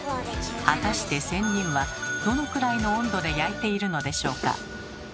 果たして仙人はどのくらいの温度で焼いているのでしょうか。